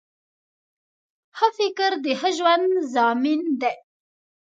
ښه فکر د ښه ژوند ضامن دی